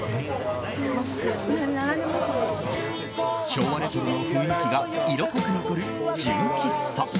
昭和レトロの雰囲気が色濃く残る純喫茶。